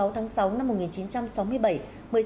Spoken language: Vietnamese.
một mươi sáu tháng sáu năm một nghìn chín trăm sáu mươi bảy